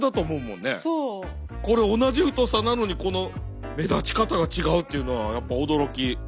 これ同じ太さなのにこの目立ち方が違うっていうのはやっぱ驚き。